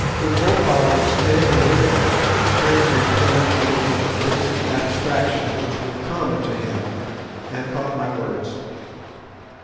Umbopa was standing with them, apparently plunged in one of the fits of abstraction which were common to him, and caught my words.